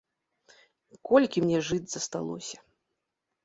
Колькі мне жыць засталося.